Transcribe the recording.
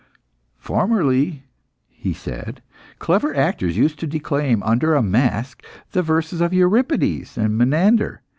"Formerly," he said, "clever actors used to declaim, under a mask, the verses of Euripides and Menander.